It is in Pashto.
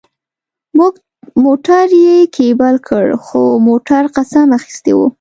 موټر یې کېبل کړ، خو موټر قسم اخیستی و.